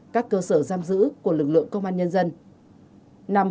các cơ sở giam giữ của lực lượng công an nhân dân